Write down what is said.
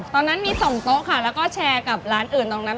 ตอนนั้นมี๒โต๊ะค่ะแล้วก็แชร์กับร้านอื่นตรงนั้น